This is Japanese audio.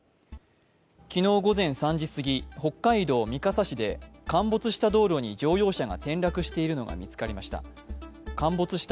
昨日午前３時すぎ、北海道三笠市で陥没した道路に乗用車が転落しているのが見つかりました。